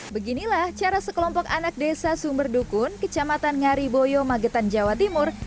beginilah cara sekelompok anak desa sumber dukun kecamatan ngariboyo magetan jawa timur